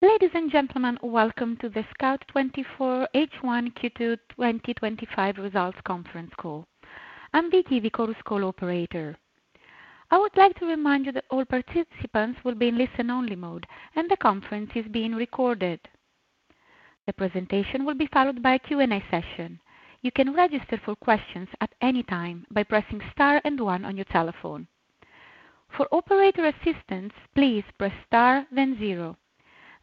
Ladies and gentlemen, welcome to the Scout24 H1Q2 2025 Results Conference Call. I'm Chorus call operator. I would like to remind you that all participants will be in listen-only mode, and the conference is being recorded. The presentation will be followed by a Q&A session. You can register for questions at any time by pressing star and one on your telephone. For operator assistance, please press star then zero.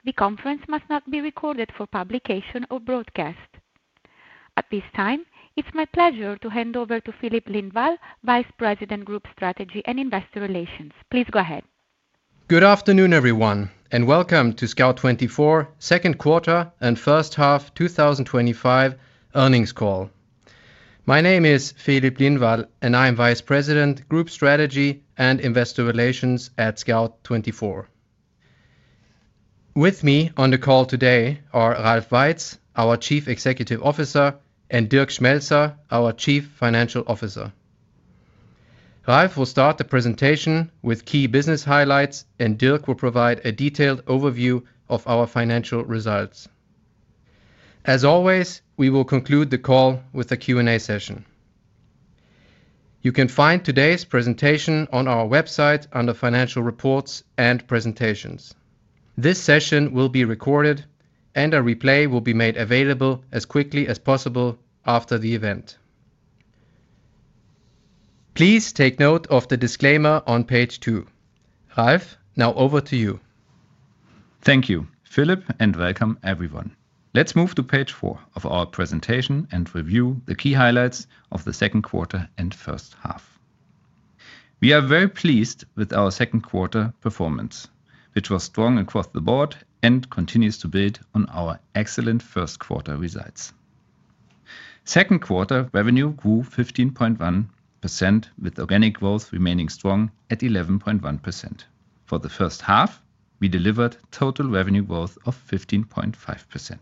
The conference must not be recorded for publication or broadcast. At this time, it's my pleasure to hand over to Filip Lindvall, Vice President Group Strategy and Investor Relations. Please go ahead. Good afternoon, everyone, and welcome to Scout24's second quarter and first half 2025 earnings call. My name is Filip Lindvall, and I'm Vice President, Group Strategy and Investor Relations at Scout24. With me on the call today are Ralph Weitz, our Chief Executive Officer, and Dirk Schmelzer, our Chief Financial Officer. Ralph will start the presentation with key business highlights, and Dirk will provide a detailed overview of our financial results. As always, we will conclude the call with a Q&A session. You can find today's presentation on our website under Financial Reports and Presentations. This session will be recorded, and a replay will be made available as quickly as possible after the event. Please take note of the disclaimer on page two. Ralph, now over to you. Thank you, Filip, and welcome, everyone. Let's move to page four of our presentation and review the key highlights of the second quarter and first half. We are very pleased with our second quarter performance, which was strong across the board and continues to build on our excellent first quarter results. Second quarter revenue grew 15.1%, with organic growth remaining strong at 11.1%. For the first half, we delivered total revenue growth of 15.5%.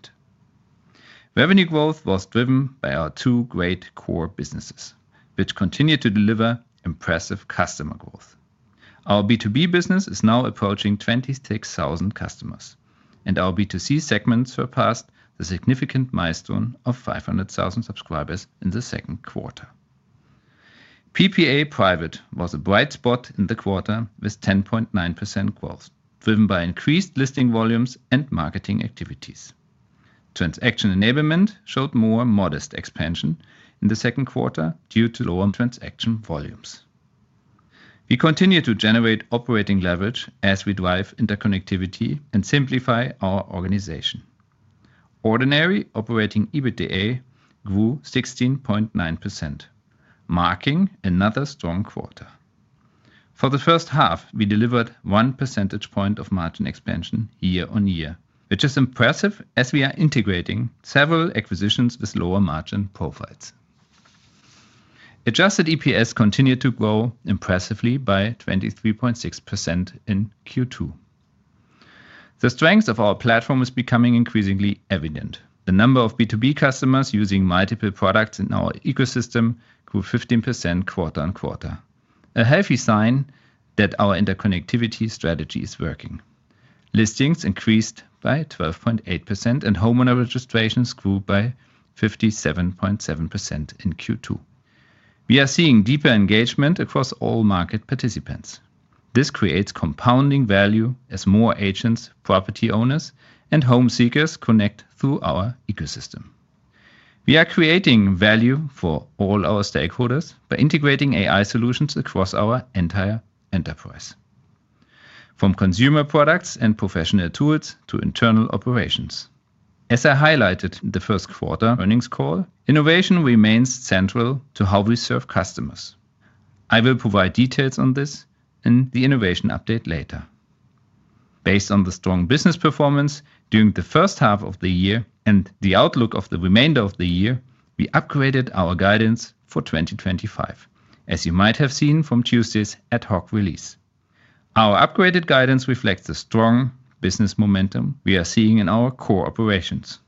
Revenue growth was driven by our two great core businesses, which continue to deliver impressive customer growth. Our B2B business is now approaching 26,000 customers, and our B2C segment surpassed the significant milestone of 500,000 subscribers in the second quarter. PPA Private was a bright spot in the quarter with 10.9% growth, driven by increased listing volumes and marketing activities. Transaction Enablement showed more modest expansion in the second quarter due to lower transaction volumes. We continue to generate operating leverage as we drive interconnectivity and simplify our organization. Ordinary operating EBITDA grew 16.9%, marking another strong quarter. For the first half, we delivered one percentage point of margin expansion year-on-year, which is impressive as we are integrating several acquisitions with lower margin profiles. Adjusted EPS continued to grow impressively by 23.6% in Q2. The strength of our platform is becoming increasingly evident. The number of B2B customers using multiple products in our ecosystem grew 15% quarter-on-quarter, a healthy sign that our interconnectivity strategy is working. Listings increased by 12.8%, and homeowner registrations grew by 57.7% in Q2. We are seeing deeper engagement across all market participants. This creates compounding value as more agents, property owners, and home seekers connect through our ecosystem. We are creating value for all our stakeholders by integrating AI solutions across our entire enterprise, from consumer products and professional tools to internal operations. As I highlighted in the first quarter earnings call, innovation remains central to how we serve customers. I will provide details on this in the innovation update later. Based on the strong business performance during the first half of the year and the outlook of the remainder of the year, we upgraded our guidance for 2025, as you might have seen from Tuesday's ad hoc release. Our upgraded guidance reflects the strong business momentum we are seeing in our core operations.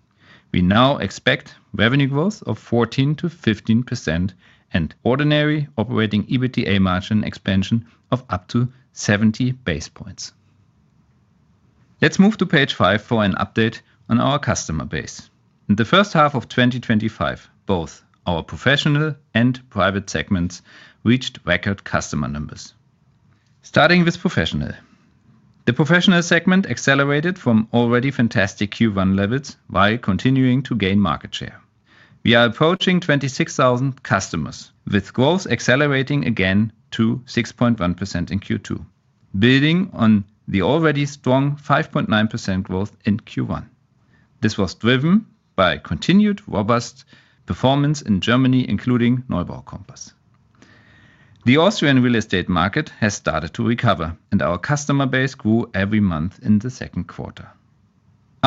We now expect revenue growth of 14%-15% and ordinary operating EBITDA margin expansion of up to 70 basis points. Let's move to page five for an update on our customer base. In the first half of 2025, both our professional and private segments reached record customer numbers. Starting with professional, the professional segment accelerated from already fantastic Q1 levels while continuing to gain market share. We are approaching 26,000 customers, with growth accelerating again to 6.1% in Q2, building on the already strong 5.9% growth in Q1. This was driven by continued robust performance in Germany, including Neubauer Compass. The Austrian real estate market has started to recover, and our customer base grew every month in the second quarter.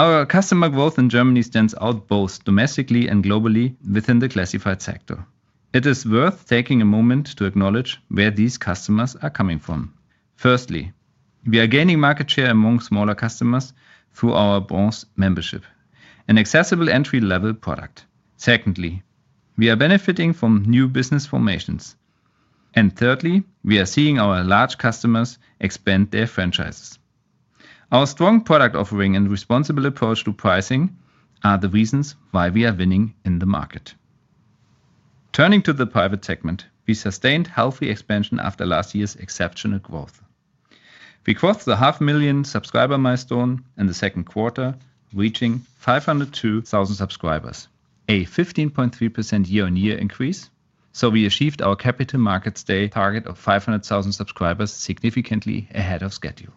Our customer growth in Germany stands out both domestically and globally within the classified sector. It is worth taking a moment to acknowledge where these customers are coming from. Firstly, we are gaining market share among smaller customers through our Bronze Membership, an accessible entry-level product. Secondly, we are benefiting from new business formations. Thirdly, we are seeing our large customers expand their franchises. Our strong product offering and responsible approach to pricing are the reasons why we are winning in the market. Turning to the private segment, we sustained healthy expansion after last year's exceptional growth. We crossed the half million subscriber milestone in the second quarter, reaching 502,000 subscribers, a 15.3% year-on-year increase. We achieved our Capital Markets Day target of 500,000 subscribers significantly ahead of schedule.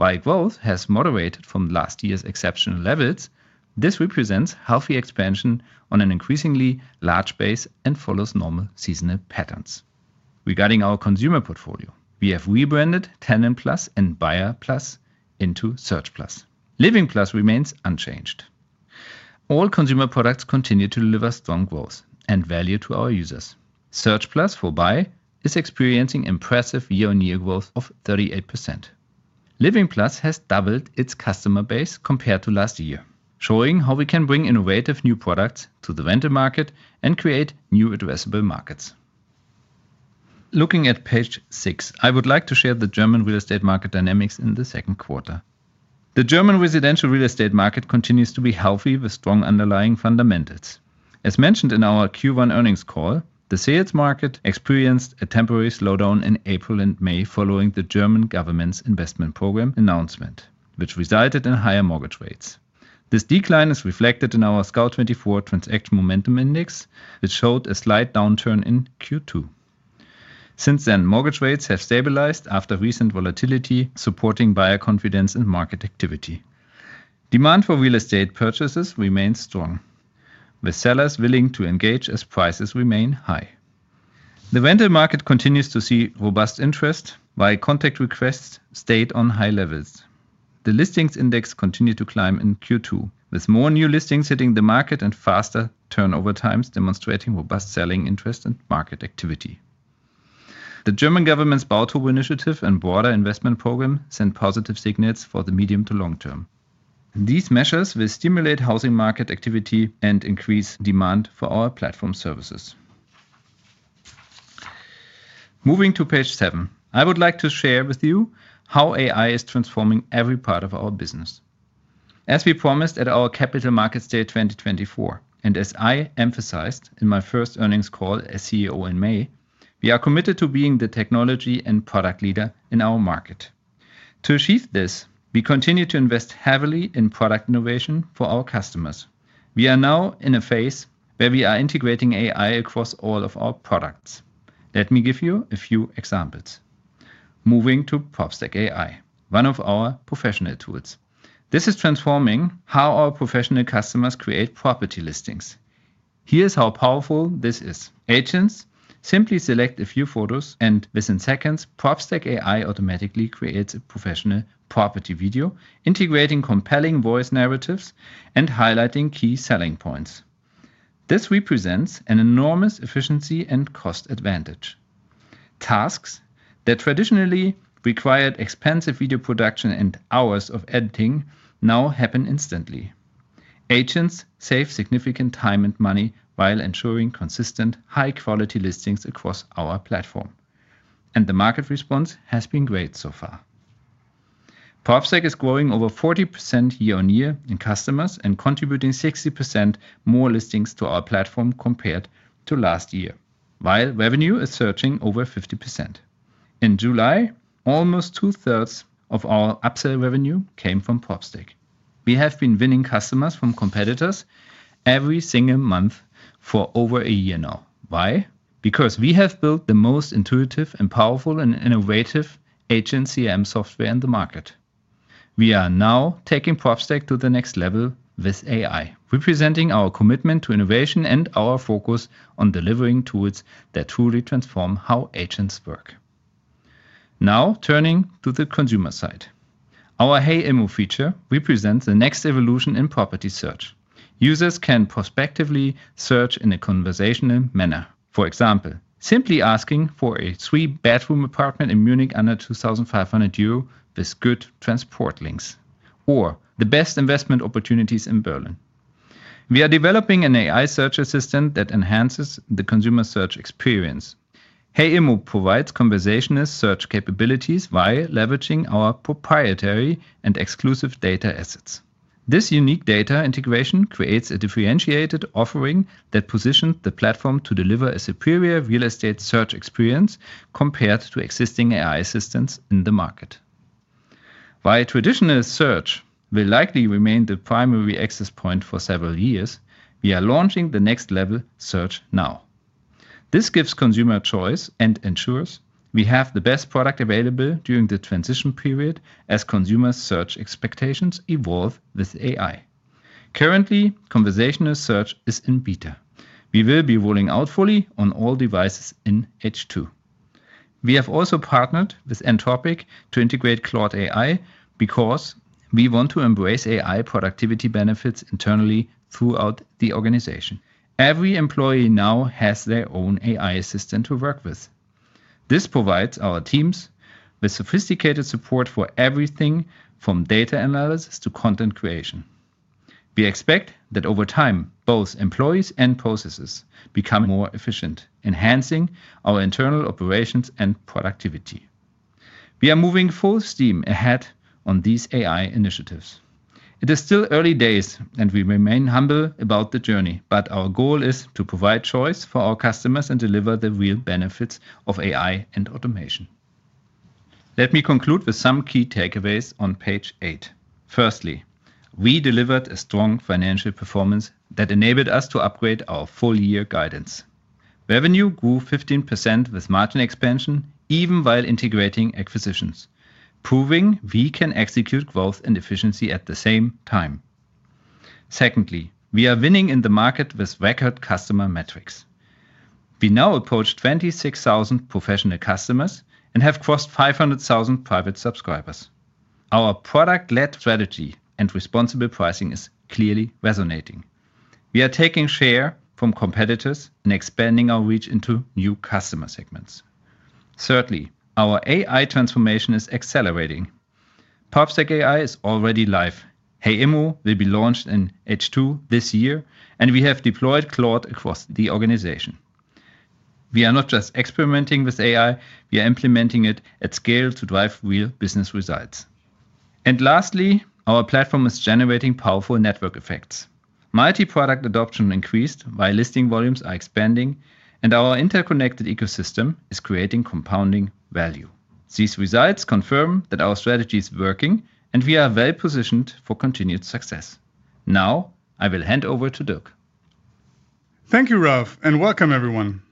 While growth has moderated from last year's exceptional levels, this represents healthy expansion on an increasingly large base and follows normal seasonal patterns. Regarding our consumer portfolio, we have rebranded Tandem Plus and Buyer Plus into Search Plus. Living Plus remains unchanged. All consumer products continue to deliver strong growth and value to our users. Search Plus for Buyer is experiencing impressive year-on-year growth of 38%. Living Plus has doubled its customer base compared to last year, showing how we can bring innovative new products to the vendor market and create new addressable markets. Looking at page six, I would like to share the German real estate market dynamics in the second quarter. The German residential real estate market continues to be healthy with strong underlying fundamentals. As mentioned in our Q1 earnings call, the sales market experienced a temporary slowdown in April and May following the German government's investment program announcement, which resulted in higher mortgage rates. This decline is reflected in our Scout24 transaction momentum index, which showed a slight downturn in Q2. Since then, mortgage rates have stabilized after recent volatility, supporting buyer confidence in market activity. Demand for real estate purchases remains strong, with sellers willing to engage as prices remain high. The vendor market continues to see robust interest, while contact requests stayed on high levels. The listings index continued to climb in Q2, with more new listings hitting the market and faster turnover times demonstrating robust selling interest and market activity. The German government's Bautrup Initiative and broader investment program send positive signals for the medium to long term. These measures will stimulate housing market activity and increase demand for our platform services. Moving to page seven, I would like to share with you how AI is transforming every part of our business. As we promised at our Capital Markets Day 2024, and as I emphasized in my first earnings call as CEO in May, we are committed to being the technology and product leader in our market. To achieve this, we continue to invest heavily in product innovation for our customers. We are now in a phase where we are integrating AI across all of our products. Let me give you a few examples. Moving to Prospect AI, one of our professional tools, this is transforming how our professional customers create property listings. Here's how powerful this is. Agents simply select a few photos, and within seconds, Prospect AI automatically creates a professional property video, integrating compelling voice narratives and highlighting key selling points. This represents an enormous efficiency and cost advantage. Tasks that traditionally required expensive video production and hours of editing now happen instantly. Agents save significant time and money while ensuring consistent, high-quality listings across our platform. The market response has been great so far. Prospect AI is growing over 40% year-on-year in customers and contributing 60% more listings to our platform compared to last year, while revenue is surging over 50%. In July, almost two-thirds of our upsell revenue came from Prospect AI. We have been winning customers from competitors every single month for over a year now. Why? Because we have built the most intuitive and powerful and innovative agent CRM software in the market. We are now taking [Prospect] to the next level with AI, representing our commitment to innovation and our focus on delivering tools that truly transform how agents work. Now turning to the consumer side, our Hey Emu feature represents the next evolution in property search. Users can prospectively search in a conversational manner. For example, simply asking for a three-bedroom apartment in Munich under 2,500 euro with good transport links, or the best investment opportunities in Berlin. We are developing an AI search assistant that enhances the consumer search experience. Hey Emu provides conversational search capabilities while leveraging our proprietary and exclusive data assets. This unique data integration creates a differentiated offering that positions the platform to deliver a superior real estate search experience compared to existing AI assistants in the market. While traditional search will likely remain the primary access point for several years, we are launching the next-level search now. This gives consumer choice and ensures we have the best product available during the transition period as consumer search expectations evolve with AI. Currently, conversational search is in beta. We will be rolling out fully on all devices in H2. We have also partnered with Anthropic to integrate Cloud AI because we want to embrace AI productivity benefits internally throughout the organization. Every employee now has their own AI assistant to work with. This provides our teams with sophisticated support for everything from data analysis to content creation. We expect that over time, both employees and processes become more efficient, enhancing our internal operations and productivity. We are moving full steam ahead on these AI initiatives. It is still early days, and we remain humble about the journey, but our goal is to provide choice for our customers and deliver the real benefits of AI and automation. Let me conclude with some key takeaways on page eight. Firstly, we delivered a strong financial performance that enabled us to upgrade our full-year guidance. Revenue grew 15% with margin expansion, even while integrating acquisitions, proving we can execute growth and efficiency at the same time. Secondly, we are winning in the market with record customer metrics. We now approach 26,000 professional customers and have crossed 500,000 private subscribers. Our product-led strategy and responsible pricing are clearly resonating. We are taking share from competitors and expanding our reach into new customer segments. Thirdly, our AI transformation is accelerating. Prospect AI is already live. Hey Emu will be launched in H2 this year, and we have deployed Cloud across the organization. We are not just experimenting with AI; we are implementing it at scale to drive real business results. Lastly, our platform is generating powerful network effects. Multi-product adoption increased while listing volumes are expanding, and our interconnected ecosystem is creating compounding value. These results confirm that our strategy is working, and we are well positioned for continued success. Now, I will hand over to Dirk. Thank you, Ralph, and welcome, everyone.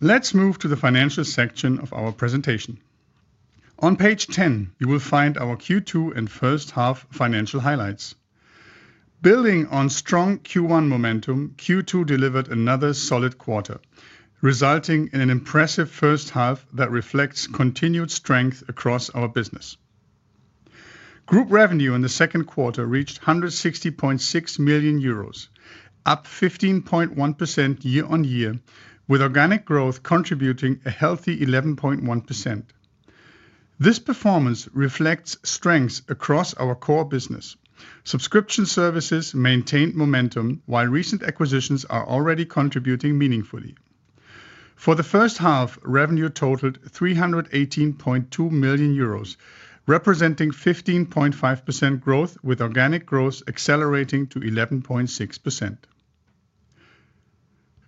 Let's move to the financial section of our presentation. On page 10, you will find our Q2 and first half financial highlights. Building on strong Q1 momentum, Q2 delivered another solid quarter, resulting in an impressive first half that reflects continued strength across our business. Group revenue in the second quarter reached 160.6 million euros, up 15.1% year-on-year, with organic growth contributing a healthy 11.1%. This performance reflects strengths across our core business. Subscription services maintained momentum, while recent acquisitions are already contributing meaningfully. For the first half, revenue totaled €318.2 million, representing 15.5% growth, with organic growth accelerating to 11.6%.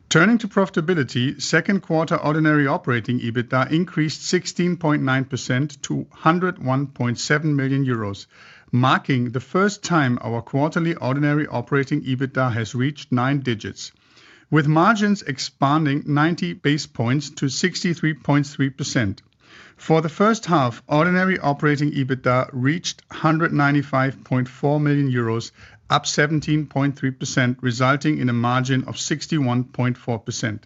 Turning to profitability, second quarter ordinary operating EBITDA increased 16.9% to 101.7 million euros, marking the first time our quarterly ordinary operating EBITDA has reached nine digits, with margins expanding 90 basis points to 63.3%. For the first half, ordinary operating EBITDA reached 195.4 million euros, up 17.3%, resulting in a margin of 61.4%.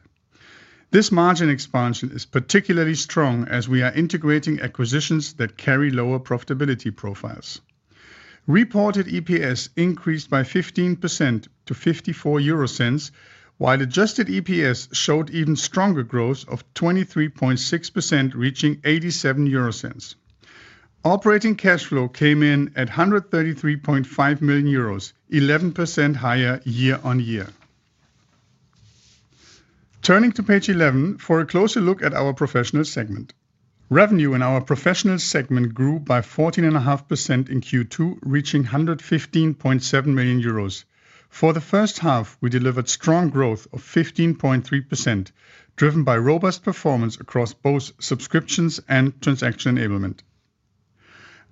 This margin expansion is particularly strong as we are integrating acquisitions that carry lower profitability profiles. Reported EPS increased by 15% to 0.54, while adjusted EPS showed even stronger growth of 23.6%, reaching 0.87. Operating cash flow came in at 133.5 million euros, 11% higher year-on-year. Turning to page 11 for a closer look at our professional segment. Revenue in our professional segment grew by 14.5% in Q2, reaching 115.7 million euros. For the first half, we delivered strong growth of 15.3%, driven by robust performance across both subscriptions and transaction enablement.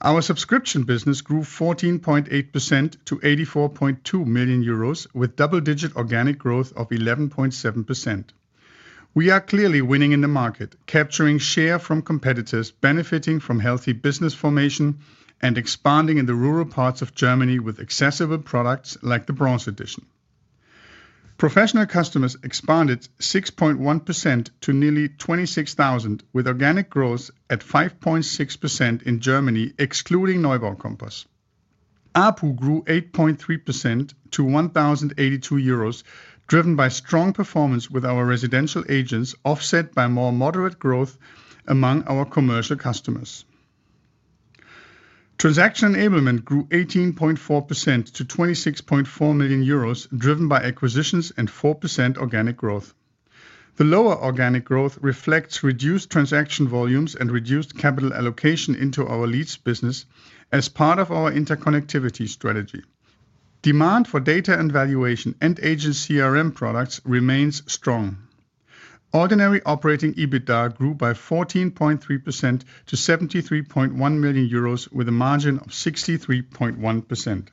Our subscription business grew 14.8% to 84.2 million euros, with double-digit organic growth of 11.7%. We are clearly winning in the market, capturing share from competitors, benefiting from healthy business formation, and expanding in the rural parts of Germany with accessible products like the Bronze Edition. Professional customers expanded 6.1% to nearly 26,000, with organic growth at 5.6% in Germany, excluding Neubauer Compass. Our pool grew 8.3% to 1,082 euros, driven by strong performance with our residential agents offset by more moderate growth among our commercial customers. Transaction enablement grew 18.4% to 26.4 million euros, driven by acquisitions and 4% organic growth. The lower organic growth reflects reduced transaction volumes and reduced capital allocation into our leads business as part of our interconnectivity strategy. Demand for data and valuation and agent CRM products remains strong. Ordinary operating EBITDA grew by 14.3% to 73.1 million euros, with a margin of 63.1%.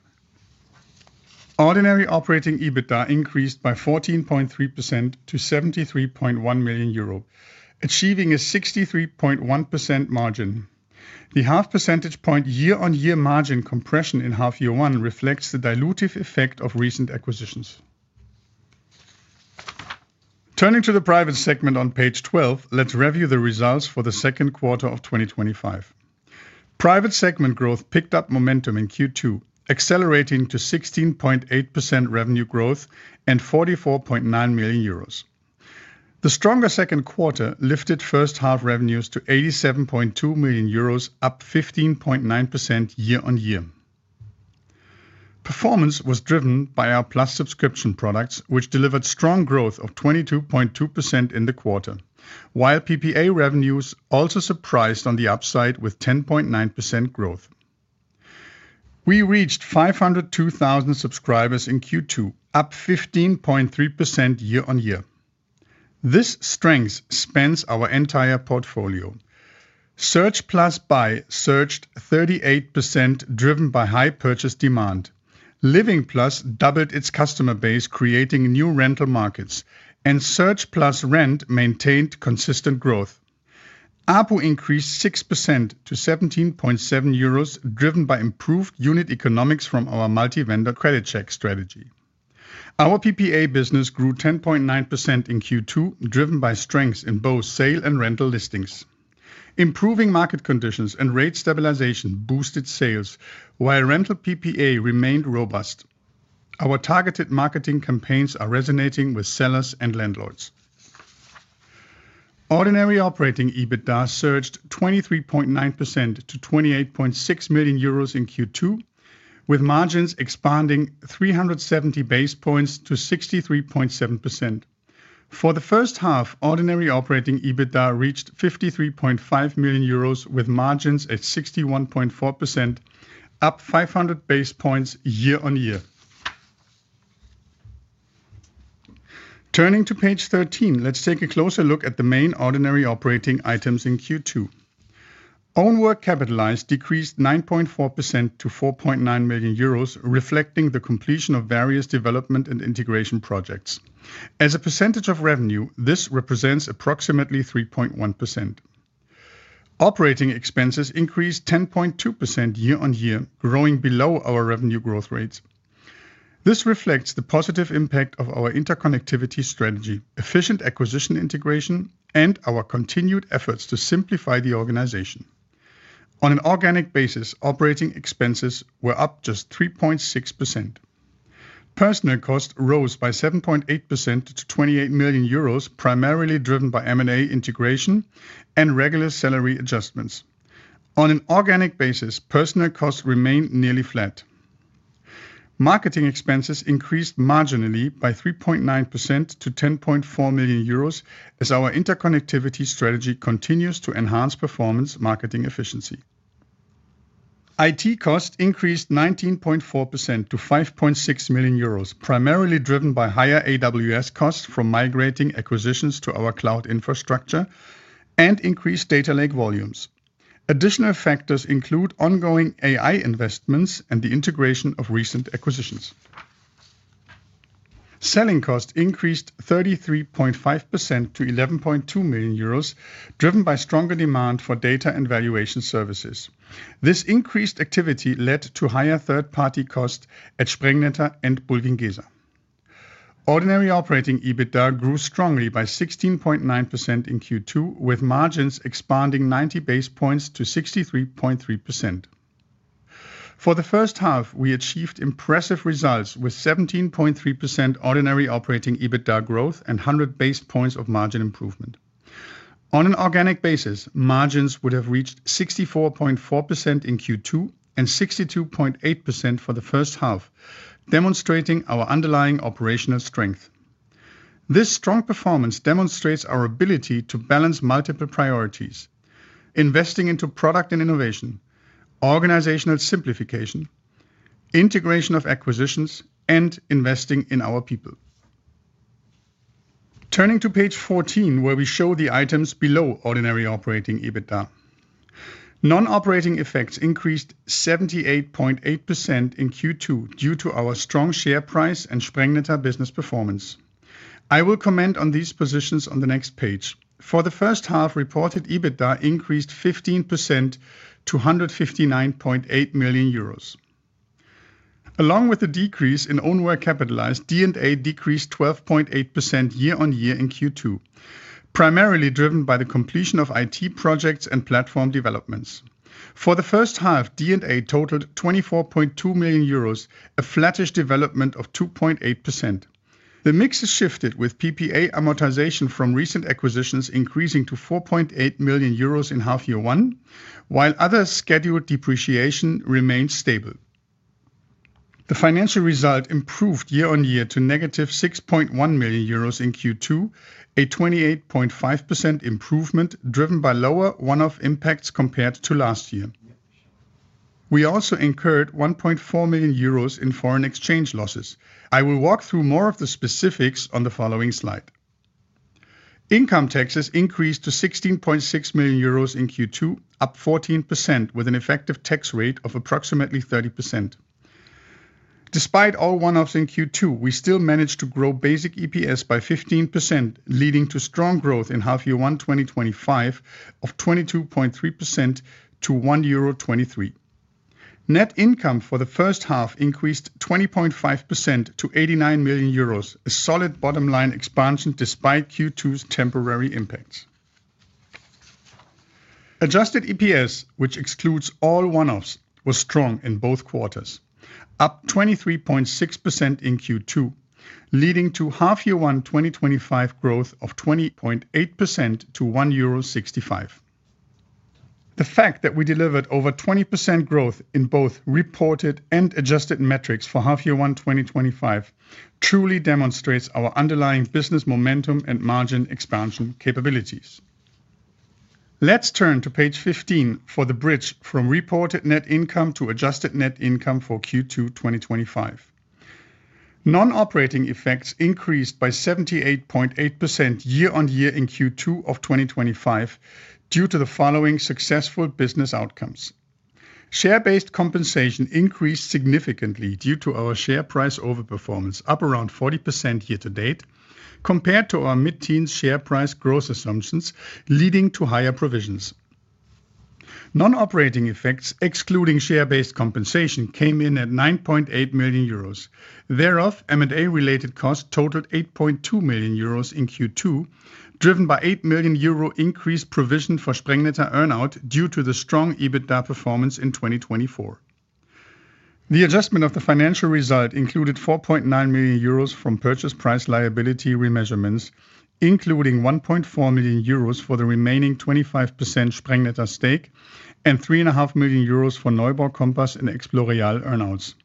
Ordinary operating EBITDA increased by 14.3% to 73.1 million euro, achieving a 63.1% margin. The half percentage point year-on-year margin compression in half year one reflects the dilutive effect of recent acquisitions. Turning to the private segment on page 12, let's review the results for the second quarter of 2025. Private segment growth picked up momentum in Q2, accelerating to 16.8% revenue growth and 44.9 million euros. The stronger second quarter lifted first half revenues to 87.2 million euros, up 15.9% year-on-year. Performance was driven by our Plus subscription products, which delivered strong growth of 22.2% in the quarter, while PPA revenues also surprised on the upside with 10.9% growth. We reached 502,000 subscribers in Q2, up 15.3% year- on-year. This strength spans our entire portfolio. Search Plus Buyer surged 38%, driven by high purchase demand. Living Plus doubled its customer base, creating new rental markets, and Search Plus Rent maintained consistent growth. Our pool increased 6% to 17.7 euros, driven by improved unit economics from our multi-vendor credit check strategy. Our PPA business grew 10.9% in Q2, driven by strengths in both sale and rental listings. Improving market conditions and rate stabilization boosted sales, while rental PPA remained robust. Our targeted marketing campaigns are resonating with sellers and landlords. Ordinary operating EBITDA surged 23.9% to 28.6 million euros in Q2, with margins expanding 370 basis points to 63.7%. For the first half, ordinary operating EBITDA reached 53.5 million euros, with margins at 61.4%, up 500 basis points year-on-year. Turning to page 13, let's take a closer look at the main ordinary operating items in Q2. Own work capitalized decreased 9.4% to 4.9 million euros, reflecting the completion of various development and integration projects. As a percentage of revenue, this represents approximately 3.1%. Operating expenses increased 10.2% year-on-year, growing below our revenue growth rates. This reflects the positive impact of our interconnectivity strategy, efficient acquisition integration, and our continued efforts to simplify the organization. On an organic basis, operating expenses were up just 3.6%. Personnel costs rose by 7.8% to 28 million euros, primarily driven by M&A integration and regular salary adjustments. On an organic basis, personnel costs remained nearly flat. Marketing expenses increased marginally by 3.9% to 10.4 million euros, as our interconnectivity strategy continues to enhance performance marketing efficiency. IT costs increased 19.4% to 5.6 million euros, primarily driven by higher AWS costs from migrating acquisitions to our cloud infrastructure and increased data lake volumes. Additional factors include ongoing AI investments and the integration of recent acquisitions. Selling costs increased 33.5% to 11.2 million euros, driven by stronger demand for data and valuation services. This increased activity led to higher third-party costs at Sprengnetter and BuildingEase. Ordinary operating EBITDA grew strongly by 16.9% in Q2, with margins expanding 90 basis points to 63.3%. For the first half, we achieved impressive results with 17.3% ordinary operating EBITDA growth and 100 basis points of margin improvement. On an organic basis, margins would have reached 64.4% in Q2 and 62.8% for the first half, demonstrating our underlying operational strength. This strong performance demonstrates our ability to balance multiple priorities: investing into product and innovation, organizational simplification, integration of acquisitions, and investing in our people. Turning to page 14, where we show the items below ordinary operating EBITDA, non-operating effects increased 78.8% in Q2 due to our strong share price and Sprengnetter business performance. I will comment on these positions on the next page. For the first half, reported EBITDA increased 15% to 159.8 million euros. Along with the decrease in own work capitalized, D&A decreased 12.8% year-on-year in Q2, primarily driven by the completion of IT projects and platform developments. For the first half, D&A totaled 24.2 million euros, a flattish development of 2.8%. The mix has shifted with PPA amortization from recent acquisitions increasing to 4.8 million euros in half year one, while other scheduled depreciation remains stable. The financial result improved year-on-year to negative 6.1 million euros in Q2, a 28.5% improvement driven by lower one-off impacts compared to last year. We also incurred 1.4 million euros in foreign exchange losses. I will walk through more of the specifics on the following slide. Income taxes increased to 16.6 million euros in Q2, up 14%, with an effective tax rate of approximately 30%. Despite all one-offs in Q2, we still managed to grow basic EPS by 15%, leading to strong growth in half year one 2025 of 22.3% to 1.23 euro. Net income for the first half increased 20.5% to €89 million, a solid bottom line expansion despite Q2's temporary impacts. Adjusted EPS, which excludes all one-offs, was strong in both quarters, up 23.6% in Q2, leading to half year one 2025 growth of 20.8% to 1.65. The fact that we delivered over 20% growth in both reported and adjusted metrics for half year one 2025 truly demonstrates our underlying business momentum and margin expansion capabilities. Let's turn to page 15 for the bridge from reported net income to adjusted net income for Q2 2025. Non-operating effects increased by 78.8% year-on-year in Q2 of 2025 due to the following successful business outcomes. Share-based compensation increased significantly due to our share price overperformance, up around 40% year to date, compared to our mid-teens share price growth assumptions, leading to higher provisions. Non-operating effects, excluding share-based compensation, came in at 9.8 million euros. Thereof, M&A related costs totaled 8.2 million euros in Q2, driven by 8 million euro increased provision for Sprengnetter earnout due to the strong EBITDA performance in 2024. The adjustment of the financial result included 4.9 million euros from purchase price liability remeasurements, including 1.4 million euros for the remaining 25% Sprengnetter stake and 3.5 million euros for Neubauer Compass and Exploria earnouts.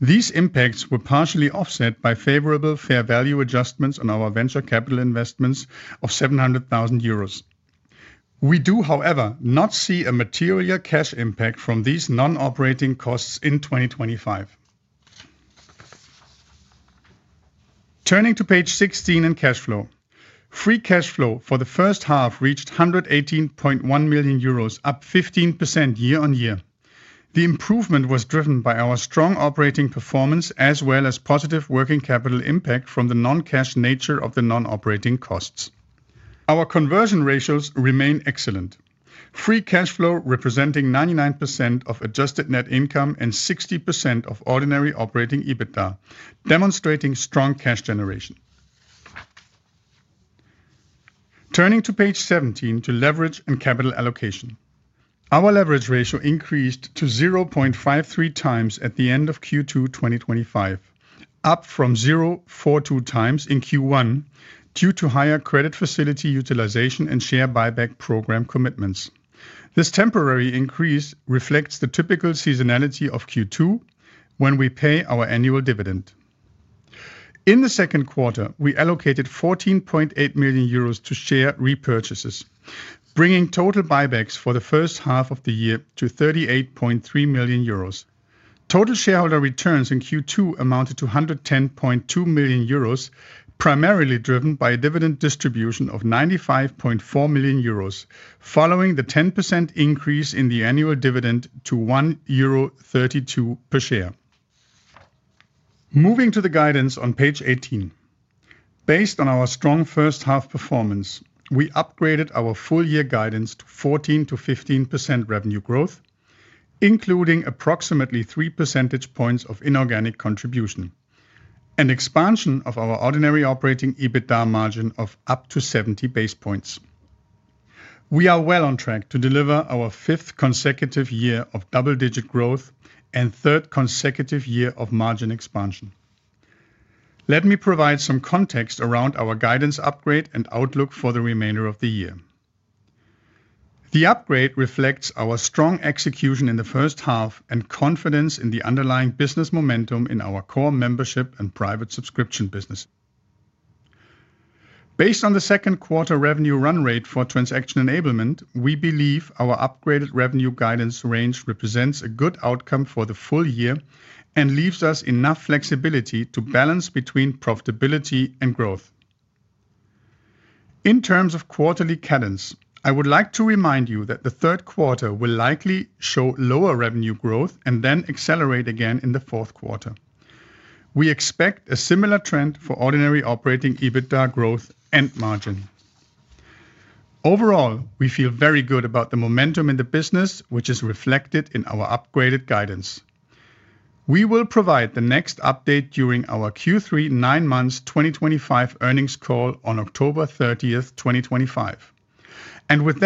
These impacts were partially offset by favorable fair value adjustments on our venture capital investments of 700,000 euros. We do, however, not see a material cash impact from these non-operating costs in 2025. Turning to page 16 and cash flow. Free cash flow for the first half reached 118.1 million euros, up 15% year-on-year. The improvement was driven by our strong operating performance as well as positive working capital impact from the non-cash nature of the non-operating costs. Our conversion ratios remain excellent, free cash flow representing 99% of adjusted net income and 60% of ordinary operating EBITDA, demonstrating strong cash generation. Turning to page 17 to leverage and capital allocation. Our leverage ratio increased to 0.53x at the end of Q2 2025, up from 0.42x in Q1 due to higher credit facility utilization and share buyback program commitments. This temporary increase reflects the typical seasonality of Q2 when we pay our annual dividend. In the second quarter, we allocated 14.8 million euros to share repurchases, bringing total buybacks for the first half of the year to 38.3 million euros. Total shareholder returns in Q2 amounted to 110.2 million euros, primarily driven by a dividend distribution of 95.4 million euros, following the 10% increase in the annual dividend to 1.32 euro per share. Moving to the guidance on page 18. Based on our strong first half performance, we upgraded our full-year guidance to 14%-15% revenue growth, including approximately three percentage points of inorganic contribution, and expansion of our ordinary operating EBITDA margin of up to 70 basis points. We are well on track to deliver our fifth consecutive year of double-digit growth and third consecutive year of margin expansion. Let me provide some context around our guidance upgrade and outlook for the remainder of the year. The upgrade reflects our strong execution in the first half and confidence in the underlying business momentum in our core membership and private subscription business. Based on the second quarter revenue run rate for transaction enablement, we believe our upgraded revenue guidance range represents a good outcome for the full year and leaves us enough flexibility to balance between profitability and growth. In terms of quarterly cadence, I would like to remind you that the third quarter will likely show lower revenue growth and then accelerate again in the fourth quarter. We expect a similar trend for ordinary operating EBITDA growth and margin. Overall, we feel very good about the momentum in the business, which is reflected in our upgraded guidance. We will provide the next update during our Q3 9 months 2025 earnings call on October 30, 2025. We would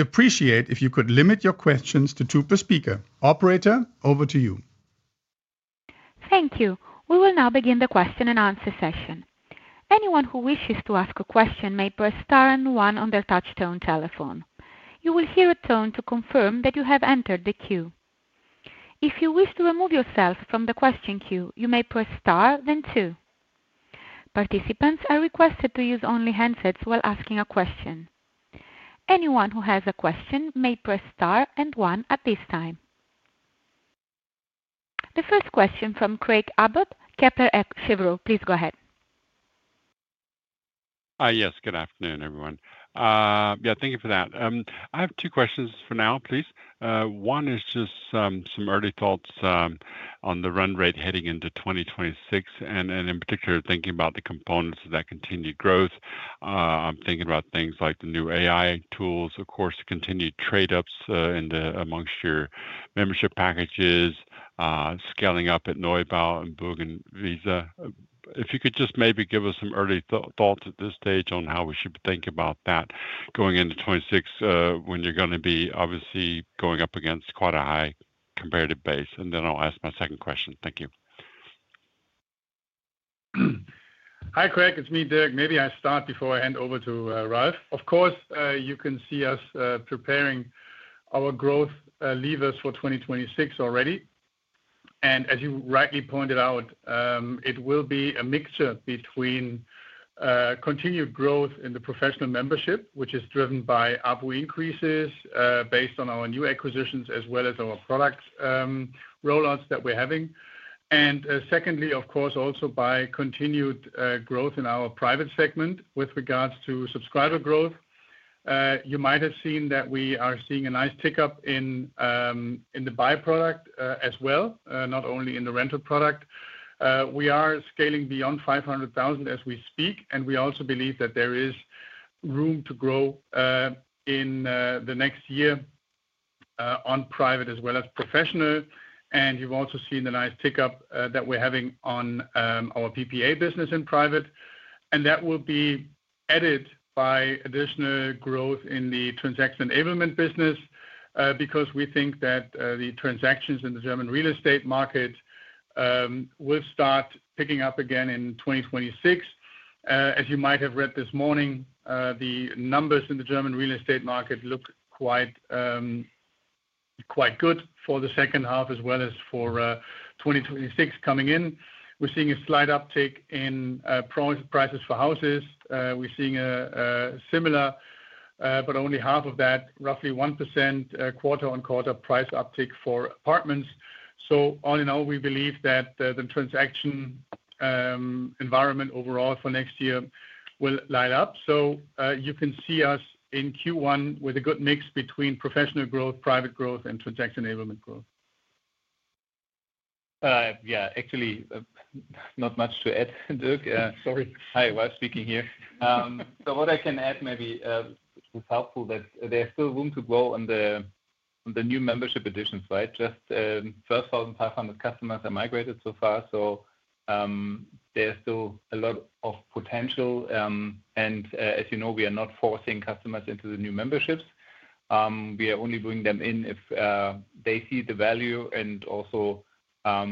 appreciate it if you could limit your questions to two per speaker. Operator, over to you. Thank you. We will now begin the question and answer session. Anyone who wishes to ask a question may press star and one on their touch tone telephone. You will hear a tone to confirm that you have entered the queue. If you wish to remove yourself from the question queue, you may press star, then two. Participants are requested to use only handsets while asking a question. Anyone who has a question may press star and one at this time. The first question from Craig Abbott, Kepler Cheuvreux. Please go ahead. Hi, yes, good afternoon everyone. Thank you for that. I have two questions for now, please. One is just some early thoughts on the run rate heading into 2026, and in particular thinking about the components of that continued growth. I'm thinking about things like the new AI tools, of course, the continued trade-offs amongst your membership packages, scaling up at Neubauer and Bogen Visa. If you could just maybe give us some early thoughts at this stage on how we should think about that going into 2026, when you're going to be obviously going up against quite a high competitive base. I'll ask my second question. Thank you. Hi Craig, it's me, Dirk. Maybe I start before I hand over to Ralph. Of course, you can see us preparing our growth levers for 2026 already. As you rightly pointed out, it will be a mixture between continued growth in the professional membership, which is driven by our increases based on our new acquisitions as well as our product rollouts that we're having. Secondly, of course, also by continued growth in our private segment with regards to subscriber growth. You might have seen that we are seeing a nice tick up in the buy product as well, not only in the rental product. We are scaling beyond 500,000 as we speak, and we also believe that there is room to grow in the next year on private as well as professional. You've also seen the nice tick up that we're having on our PPA business in private. That will be added by additional growth in the transaction enablement business because we think that the transactions in the German real estate market will start picking up again in 2026. As you might have read this morning, the numbers in the German real estate market look quite good for the second half as well as for 2026 coming in. We're seeing a slight uptick in prices for houses. We're seeing a similar, but only half of that, roughly 1% quarter-on-quarter price uptick for apartments. All in all, we believe that the transaction environment overall for next year will light up. You can see us in Q1 with a good mix between professional growth, private growth, and transaction enablement growth. Yeah, actually, not much to add, Dirk. Sorry. I was speaking here. What I can add maybe is helpful that there's still room to grow on the new membership additions, right? Just 12,500 customers are migrated so far, so there's still a lot of potential. As you know, we are not forcing customers into the new memberships. We are only bringing them in if they see the value, and also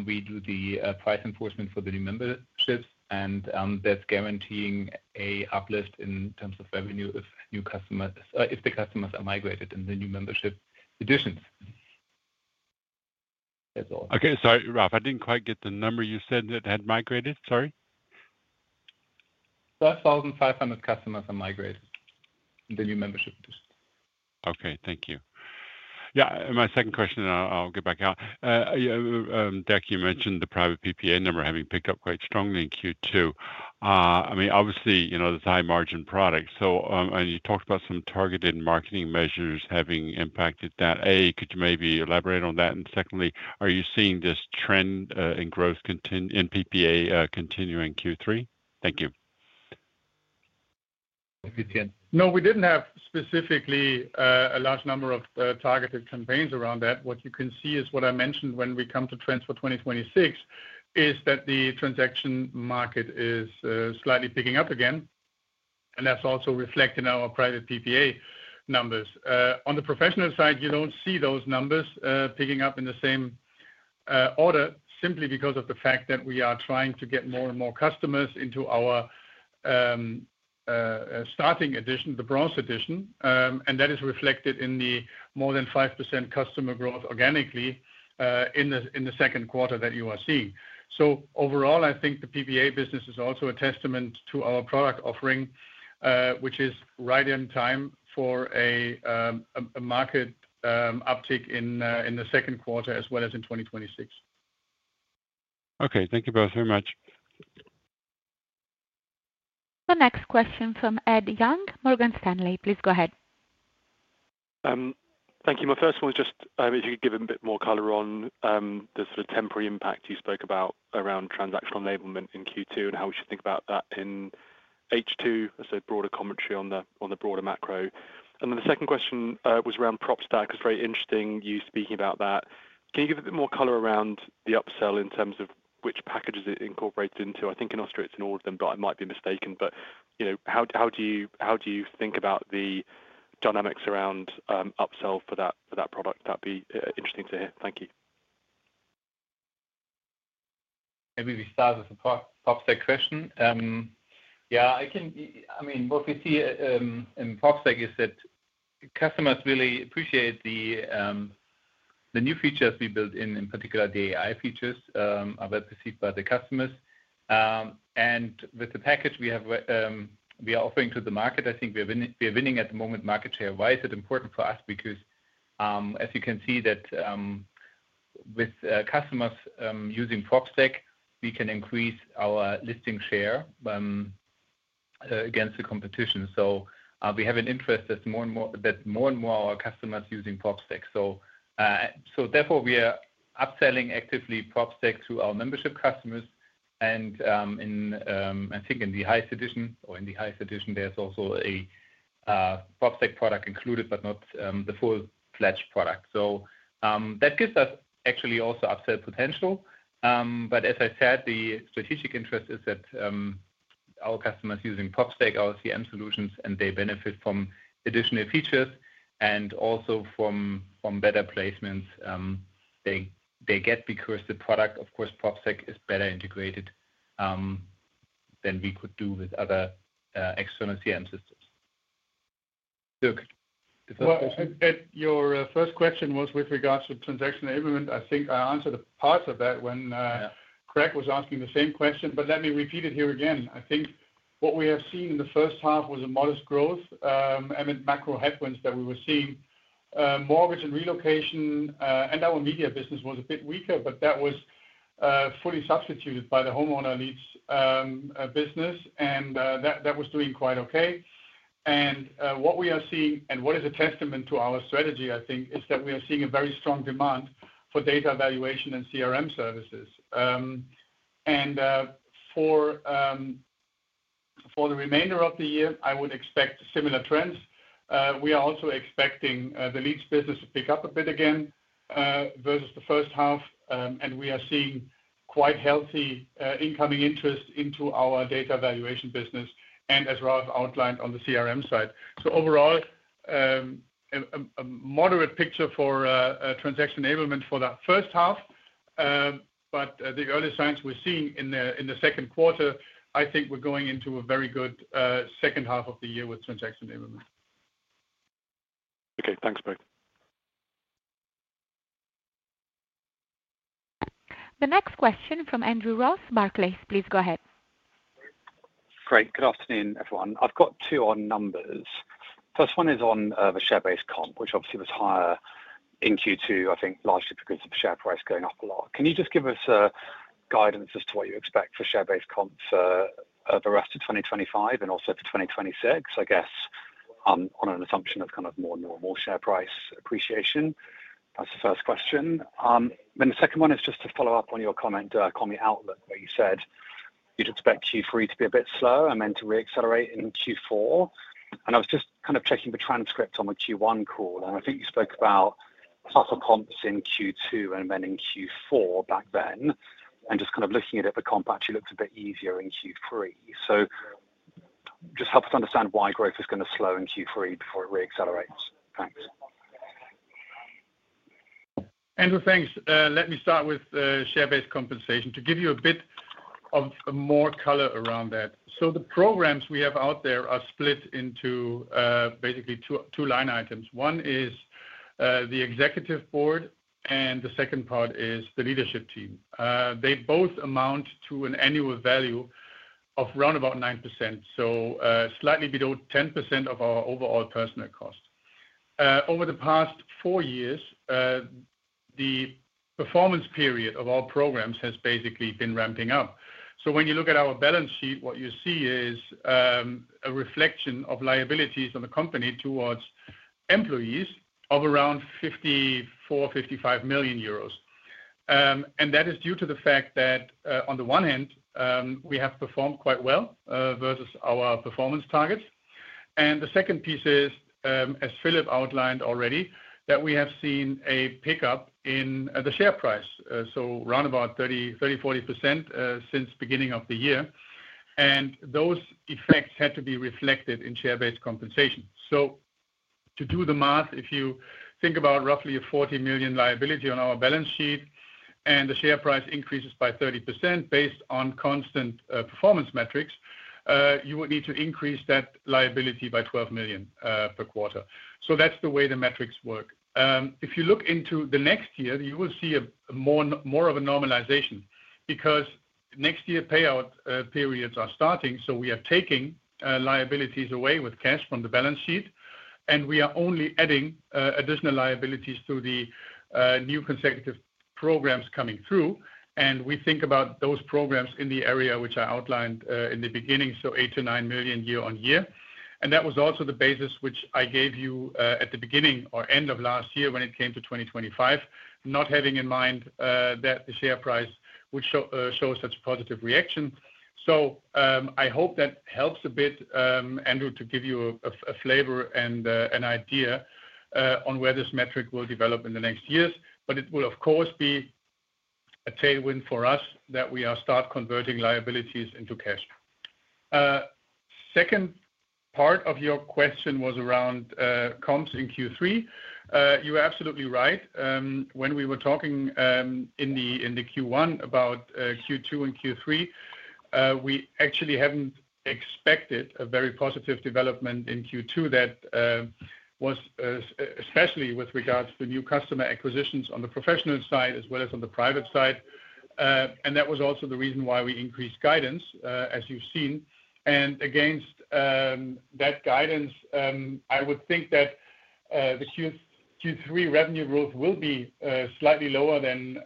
we do the price enforcement for the new memberships, and that's guaranteeing an uplift in terms of revenue if the customers are migrated in the new membership additions. Okay, sorry, Ralph, I didn't quite get the number you said that had migrated, sorry. 5,500 customers are migrated in the new membership additions. Okay, thank you. Yeah, my second question, and I'll get back out. Dirk, you mentioned the private PPA number having picked up quite strongly in Q2. I mean, obviously, you know, this is a high margin product. Could you maybe elaborate on that? Secondly, are you seeing this trend in growth in PPA continuing in Q3? Thank you. No, we didn't have specifically a large number of targeted campaigns around that. What you can see is what I mentioned when we come to trends for 2026 is that the transaction market is slightly picking up again. That's also reflected in our private PPA numbers. On the professional side, you don't see those numbers picking up in the same order simply because of the fact that we are trying to get more and more customers into our starting edition, the Bronze Edition. That is reflected in the more than 5% customer growth organically in the second quarter that you are seeing. Overall, I think the PPA business is also a testament to our product offering, which is right in time for a market uptick in the second quarter as well as in 2026. Okay, thank you both very much. The next question from Ed Young, Morgan Stanley. Please go ahead. Thank you. My first one is just, I hope you could give a bit more color on the sort of temporary impact you spoke about around transactional enablement in Q2 and how we should think about that in H2. I said broader commentary on the broader macro. The second question was around Prospect. It's very interesting you speaking about that. Can you give a bit more color around the upsell in terms of which packages it incorporates into? I think in Austria it's in all of them, but I might be mistaken. You know, how do you think about the dynamics around upsell for that product? That'd be interesting to hear. Thank you. Maybe we start with the Prospect question. Yeah, I can, I mean, what we see in Prospect is that customers really appreciate the new features we built in, in particular the AI features are well perceived by the customers. With the package we are offering to the market, I think we are winning at the moment market share. Why is it important for us? Because as you can see, with customers using Prospect we can increase our listing share against the competition. We have an interest that more and more of our customers are using Prospect. Therefore, we are upselling actively Prospect through our membership customers. I think in the highest edition, or in the highest edition, there's also a Prospect product included, but not the full-fledged product. That gives us actually also upsell potential. As I said, the strategic interest is that our customers are using Prospect, our CRM solutions, and they benefit from additional features and also from better placements they get because the product, of course, Prospect is better integrated than we could do with other external CRM systems. I think your first question was with regards to transaction enablement. I think I answered parts of that when Craig was asking the same question, but let me repeat it here again. I think what we have seen in the first half was a modest growth and macro headwinds that we were seeing. Mortgage and relocation and our media business was a bit weaker, but that was fully substituted by the homeowner leads business, and that was doing quite okay. What we are seeing, and what is a testament to our strategy, I think, is that we are seeing a very strong demand for data valuation and CRM services. For the remainder of the year, I would expect similar trends. We are also expecting the leads business to pick up a bit again versus the first half, and we are seeing quite healthy incoming interest into our data valuation business, and as Ralph outlined on the CRM side. Overall, a moderate picture for transaction enablement for the first half, but the early signs we're seeing in the second quarter, I think we're going into a very good second half of the year with transaction enablement. Okay, thanks, Craig. The next question from Andrew Ross, Barclays, please go ahead. Great, good afternoon, everyone. I've got two on numbers. First one is on the share-based comp, which obviously was higher in Q2. I think largely because of share price going up a lot. Can you just give us guidance as to what you expect for share-based comps for the rest of 2025 and also for 2026, I guess, on an assumption of kind of more normal share price appreciation? That's the first question. The second one is just to follow up on your comment on the outlook where you said you'd expect Q3 to be a bit slow and then to reaccelerate in Q4. I was just kind of checking the transcript on the Q1 call, and I think you spoke about subtle comps in Q2 and then in Q4 back then, and just kind of looking at it, the comp actually looked a bit easier in Q3. Just help us understand why growth is going to slow in Q3 before it reaccelerates. Thanks. Andrew, thanks. Let me start with share-based compensation to give you a bit more color around that. The programs we have out there are split into basically two line items. One is the Executive Board, and the second part is the leadership team. They both amount to an annual value of around 9%. It is slightly below 10% of our overall personnel cost. Over the past four years, the performance period of our programs has basically been ramping up. When you look at our balance sheet, what you see is a reflection of liabilities on the company towards employees of around 54 million-55 million euros. That is due to the fact that, on the one hand, we have performed quite well versus our performance targets. The second piece is, as Filip outlined already, that we have seen a pickup in the share price, around 30%-40% since the beginning of the year. Those effects had to be reflected in share-based compensation. To do the math, if you think about roughly a 40 million liability on our balance sheet and the share price increases by 30% based on constant performance metrics, you would need to increase that liability by 12 million per quarter. That is the way the metrics work. If you look into next year, you will see more of a normalization because next year payout periods are starting. We are taking liabilities away with cash from the balance sheet, and we are only adding additional liabilities through the new consecutive programs coming through. We think about those programs in the area which I outlined in the beginning, so 8 million-9 million year-on-year. That was also the basis which I gave you at the beginning or end of last year when it came to 2025, not having in mind that the share price would show such positive reaction. I hope that helps a bit, Andrew, to give you a flavor and an idea on where this metric will develop in the next years. It will, of course, be a tailwind for us that we start converting liabilities into cash. The second part of your question was around comps in Q3. You are absolutely right. When we were talking in Q1 about Q2 and Q3, we actually had not expected a very positive development in Q2. That was especially with regards to the new customer acquisitions on the professional side as well as on the private side. That was also the reason why we increased guidance, as you have seen. Against that guidance, I would think that the Q3 revenue growth will be slightly lower than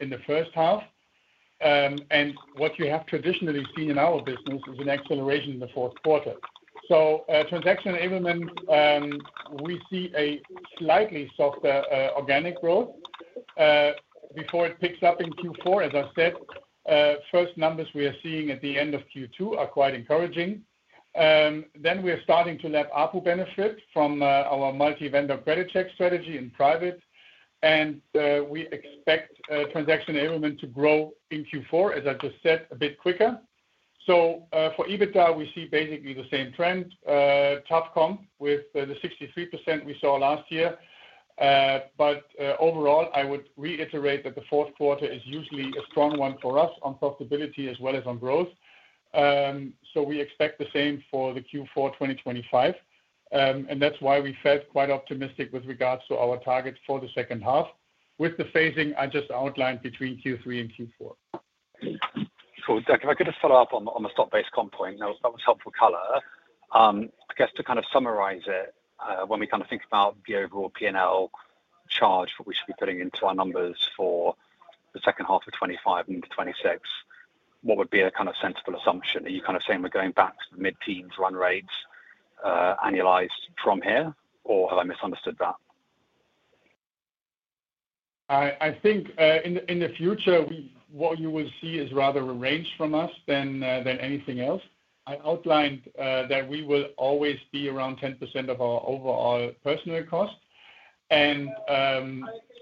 in the first half. What you have traditionally seen in our business is an acceleration in the fourth quarter. Transaction enablement, we see a slightly softer organic growth before it picks up in Q4. As I said, first numbers we are seeing at the end of Q2 are quite encouraging. We are starting to lap and benefit from our multi-vendor credit check strategy in private. We expect transaction enablement to grow in Q4, as I just said, a bit quicker. For EBITDA, we see basically the same trend, top comp with the 63% we saw last year. Overall, I would reiterate that the fourth quarter is usually a strong one for us on profitability as well as on growth. We expect the same for Q4 2025. That's why we felt quite optimistic with regards to our targets for the second half with the phasing I just outlined between Q3 and Q4. Can I get a follow-up on the stock-based comp point? That was helpful color. I guess to kind of summarize it, when we kind of think about the overall P&L charge that we should be putting into our numbers for the second half of 2025 and 2026, what would be a kind of sensible assumption? Are you kind of saying we're going back to the mid-teens run rates annualized from here, or have I misunderstood that? I think in the future, what you will see is rather a range from us than anything else. I outlined that we will always be around 10% of our overall personnel cost.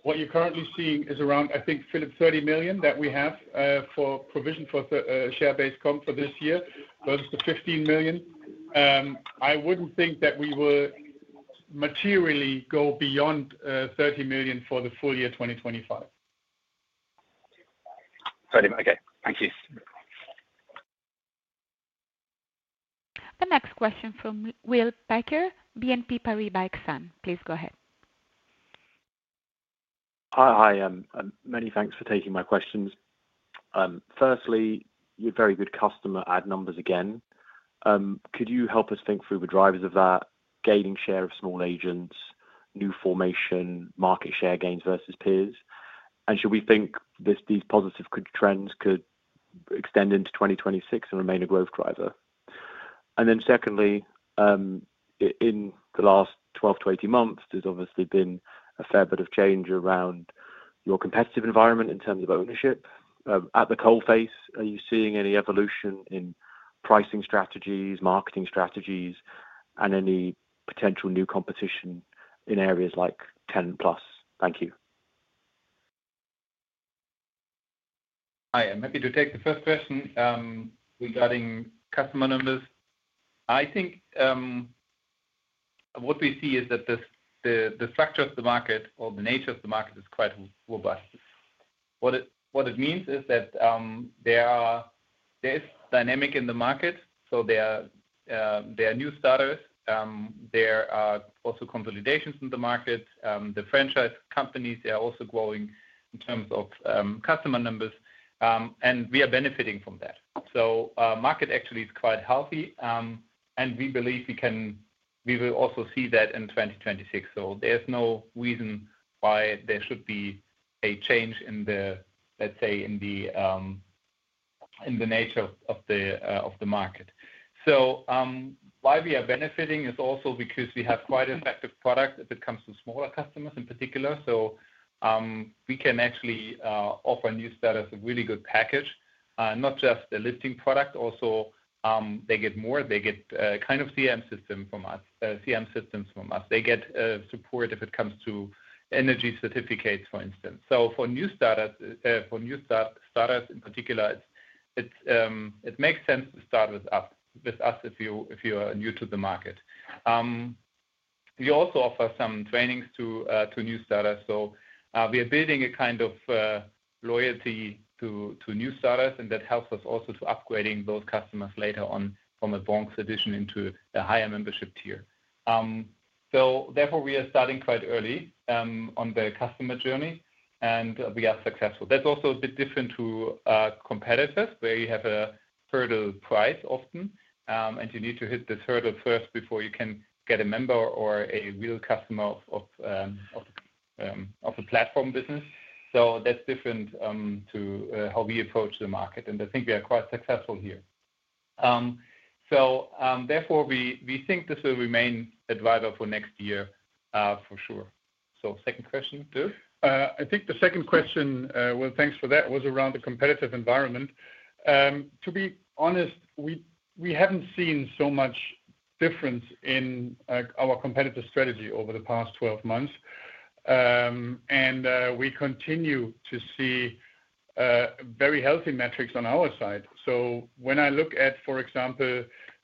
What you're currently seeing is around, I think, Filip, 30 million that we have for provision for share-based comp for this year, versus the 15 million. I wouldn't think that we will materially go beyond 30 million for the full year 2025. Okay, thank you. The next question from Will Packer, BNP Paribas Exane. Please go ahead. Hi, many thanks for taking my questions. Firstly, you're very good at customer numbers again. Could you help us think through the drivers of that, gaining share of small agents, new formation, market share gains versus peers? Should we think these positive trends could extend into 2026 and remain a growth driver? In the last 12-18 months, there's obviously been a fair bit of change around your competitive environment in terms of ownership. At the coal face, are you seeing any evolution in pricing strategies, marketing strategies, and any potential new competition in areas like Search Plus? Thank you. Hi, I'm happy to take the first question regarding customer numbers. I think what we see is that the structure of the market or the nature of the market is quite robust. What it means is that there is dynamic in the market. There are new starters. There are also consolidations in the market. The franchise companies are also growing in terms of customer numbers, and we are benefiting from that. Our market actually is quite healthy, and we believe we can, we will also see that in 2026. There is no reason why there should be a change in the, let's say, in the nature of the market. Why we are benefiting is also because we have quite effective products if it comes to smaller customers in particular. We can actually offer new starters a really good package, not just a listing product, also they get more, they get kind of CRM systems from us. They get support if it comes to energy certificates, for instance. For new starters in particular, it makes sense to start with us if you are new to the market. We also offer some trainings to new starters. We are building a kind of loyalty to new starters, and that helps us also to upgrading those customers later on from a Bronze edition into a higher membership tier. Therefore, we are starting quite early on the customer journey, and we are successful. That's also a bit different to competitors where you have a hurdle price often, and you need to hit this hurdle first before you can get a member or a real customer of the platform business. That's different to how we approach the market, and I think we are quite successful here. Therefore, we think this will remain a driver for next year for sure. Second question, Dirk? I think the second question, thanks for that, was around the competitive environment. To be honest, we haven't seen so much difference in our competitive strategy over the past 12 months. We continue to see very healthy metrics on our side. For example, when I look at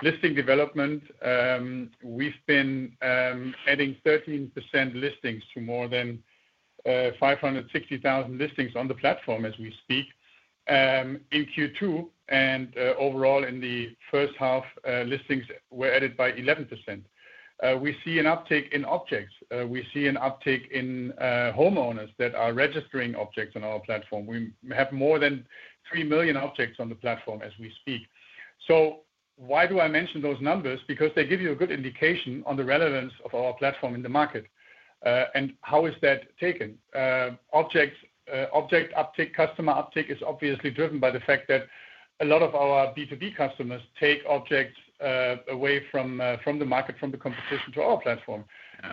listing development, we've been adding 13% listings to more than 560,000 listings on the platform as we speak. In Q2, and overall in the first half, listings were added by 11%. We see an uptick in objects. We see an uptick in homeowners that are registering objects on our platform. We have more than 3 million objects on the platform as we speak. Why do I mention those numbers? They give you a good indication on the relevance of our platform in the market. How is that taken? Object uptake, customer uptake is obviously driven by the fact that a lot of our B2B customers take objects away from the market, from the competition to our platform.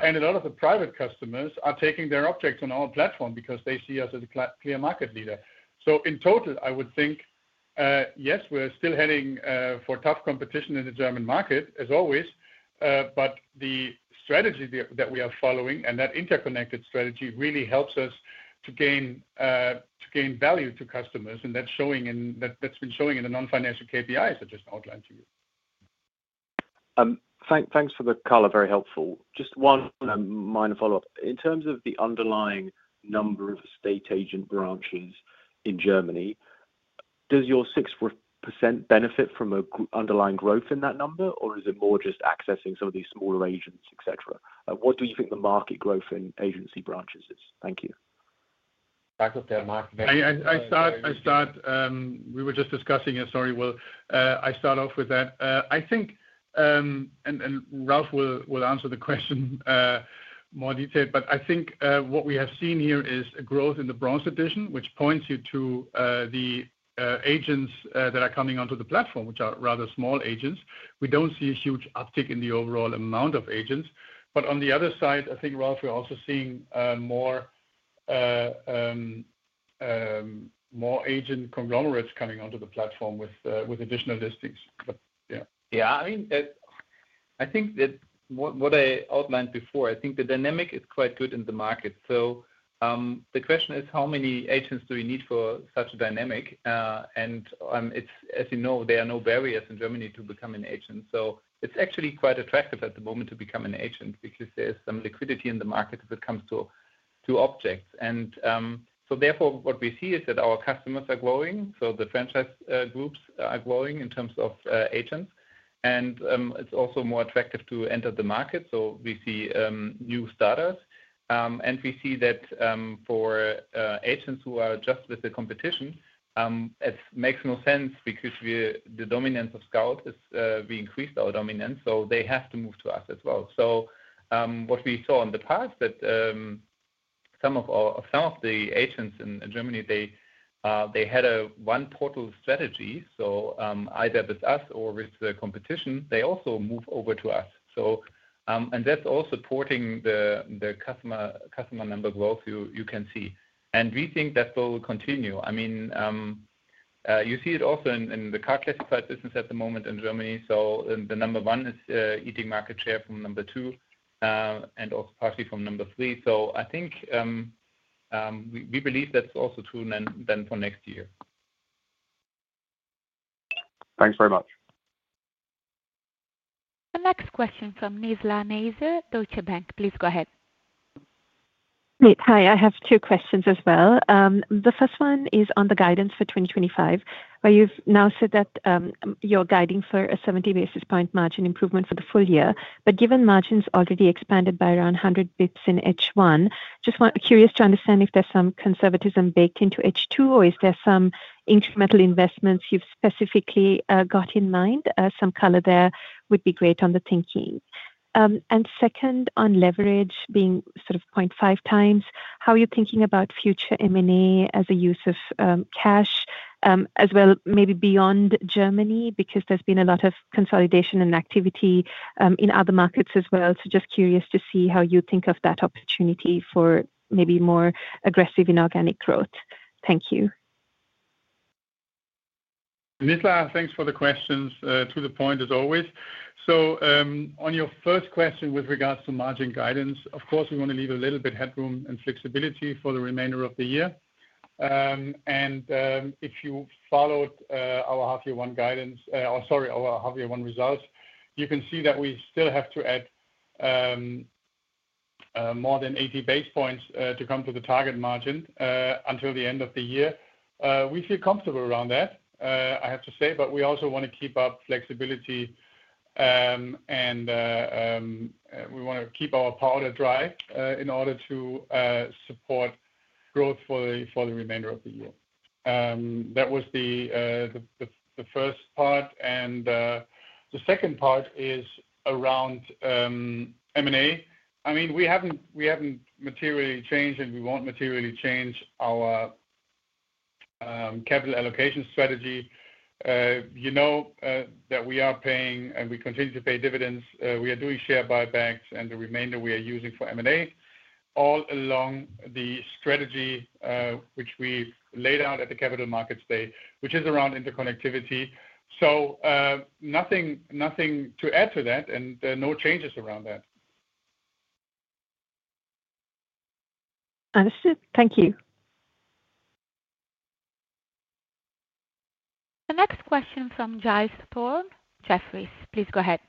A lot of the private customers are taking their objects on our platform because they see us as a clear market leader. In total, I would think, yes, we're still heading for tough competition in the German market, as always. The strategy that we are following and that interconnected strategy really helps us to gain value to customers. That's been showing in the non-financial KPIs I just outlined to you. Thanks for the color, very helpful. Just one minor follow-up. In terms of the underlying number of estate agent branches in Germany, does your 6% benefit from an underlying growth in that number, or is it more just accessing some of these smaller agents, etc.? What do you think the market growth in agency branches is? Thank you. I start off with that. I think, and Ralph will answer the question more detailed, but I think what we have seen here is a growth in the Bronze Edition, which points you to the agents that are coming onto the platform, which are rather small agents. We don't see a huge uptick in the overall amount of agents. On the other side, I think, Ralph, we're also seeing more agent conglomerates coming onto the platform with additional listings. Yeah, I mean, I think that what I outlined before, I think the dynamic is quite good in the market. The question is, how many agents do we need for such a dynamic? As you know, there are no barriers in Germany to becoming an agent. It's actually quite attractive at the moment to become an agent because there's some liquidity in the market if it comes to objects. Therefore, what we see is that our customers are growing. The franchise groups are growing in terms of agents. It's also more attractive to enter the market. We see new starters. We see that for agents who are just with the competition, it makes no sense because the dominance of Scout has increased our dominance. They have to move to us as well. What we saw in the past is that some of the agents in Germany had a one-portal strategy, so either with us or with the competition, they also move over to us. That's all supporting the customer number growth you can see. We think that will continue. You see it also in the car classified business at the moment in Germany. The number one is eating market share from number two and also partially from number three. I think we believe that's also true then for next year. Thanks very much. The next question from Nizla Naizer, Deutsche Bank. Please go ahead. Hi, I have two questions as well. The first one is on the guidance for 2025, where you've now said that you're guiding for a 70 basis point margin improvement for the full year. Given margins already expanded by around 100 basis point in H1, I'm just curious to understand if there's some conservatism baked into H2, or is there some incremental investments you've specifically got in mind? Some color there would be great on the thinking. Second, on leverage being sort of 0.5x, how are you thinking about future M&A as a use of cash as well, maybe beyond Germany, because there's been a lot of consolidation and activity in other markets as well? I'm just curious to see how you think of that opportunity for maybe more aggressive inorganic growth. Thank you. Nizla, thanks for the questions. To the point, as always. On your first question with regards to margin guidance, of course, we want to leave a little bit of headroom and flexibility for the remainder of the year. If you followed our half year one guidance, or sorry, our half year one results, you can see that we still have to add more than 80 basis points to come to the target margin until the end of the year. We feel comfortable around that, I have to say, but we also want to keep up flexibility and we want to keep our powder dry in order to support growth for the remainder of the year. That was the first part. The second part is around M&A. We haven't materially changed and we won't materially change our capital allocation strategy. You know that we are paying and we continue to pay dividends. We are doing share buybacks and the remainder we are using for M&A all along the strategy which we laid out at the Capital Markets Day, which is around interconnectivity. Nothing to add to that and no changes around that. Understood. Thank you. The next question from Giles Thorne, Jefferies, please go ahead.